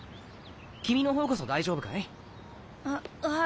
君の方こそ大丈夫かい？ははい。